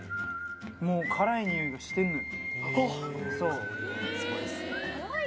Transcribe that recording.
もう辛いにおいがしてるのよ。